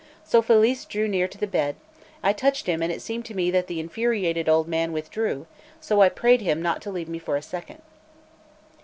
So Felice drew near to the bed; I touched him, and it seemed to me that the infuriated old man withdrew; so I prayed him not to leave me for a second.